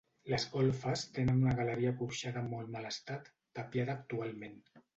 Les golfes tenen una galeria porxada en molt mal estat, tapiada actualment.